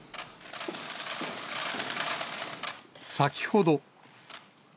先ほど。